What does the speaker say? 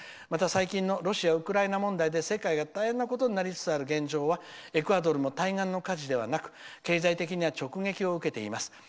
また最近のロシア、ウクライナ問題で世界が大変なことになりつつある現状はエクアドルも対岸の火事ではなく経済的には直撃を受けています。